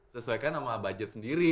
sesuaikan sama budget sendiri